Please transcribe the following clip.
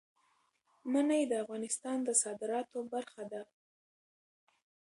منی د افغانستان د صادراتو برخه ده.